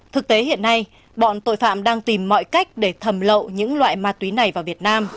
thực tế hiện nay bọn tội phạm đang tìm mọi cách để thầm lậu những loại ma túy này vào việt nam